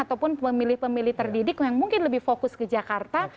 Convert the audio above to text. ataupun pemilih pemilih terdidik yang mungkin lebih fokus ke jakarta